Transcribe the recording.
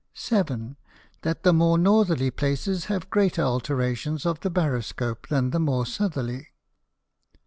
7. That the more Northerly places have greater Alterations of the Baroscope, than the more Southerly.